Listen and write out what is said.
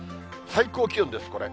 最高気温です、これ。